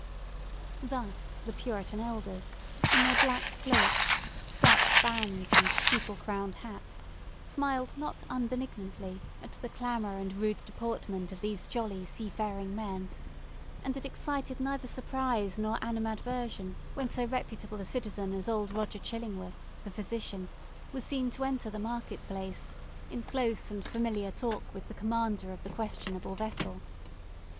Thus the Puritan elders in their black cloaks, starched bands, and steeple crowned hats, smiled not unbenignantly at the clamour and rude deportment of these jolly seafaring men; and it excited neither surprise nor animadversion when so reputable a citizen as old Roger Chillingworth, the physician, was seen to enter the market place in close and familiar talk with the commander of the questionable vessel.